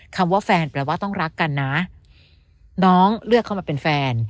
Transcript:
คำว่าแฟนแปลว่าต้องรักกันนะน้องเลือกเข้ามาเป็นแฟน